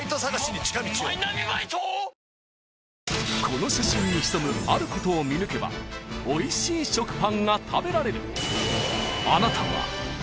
［この写真に潜むあることを見抜けばおいしい食パンが食べられる］